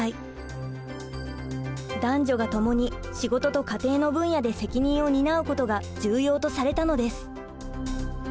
男女がともに仕事と家庭の分野で責任を担うことが重要とされたのです。